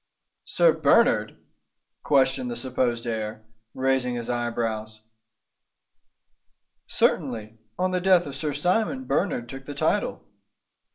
"Sir Bernard?" questioned the supposed heir, raising his eyebrows. "Certainly. On the death of Sir Simon, Bernard took the title!"